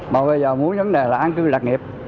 mà bây giờ muốn vấn đề là an cư lạc nghiệp